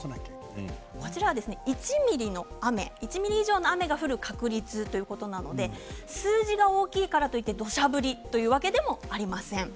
こちらは１ｍｍの雨１ｍｍ以上の雨が降る確率ということなので数字が大きいからといってどしゃ降りというわけでもありません。